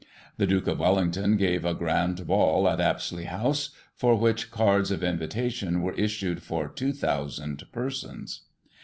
The Duke of Wellington gave a grand ball at Apsley House, for which cards of invitation were issued for 2,000 persons.